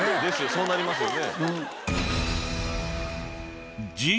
そうなりますよね。